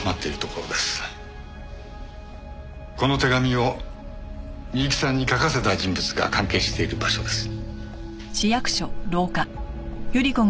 この手紙を美雪さんに書かせた人物が関係している場所です。